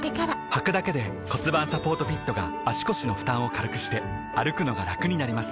はくだけで骨盤サポートフィットが腰の負担を軽くして歩くのがラクになります